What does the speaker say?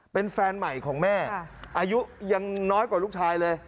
เป็นแฟนใหม่ของแม่อายุยังน้อยกว่าลูกชายเลย